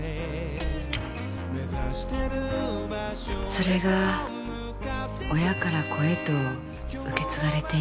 それが親から子へと受け継がれていく。